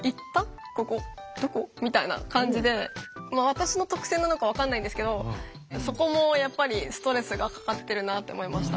私の特性なのか分かんないんですけどそこもやっぱりストレスがかかってるなって思いました。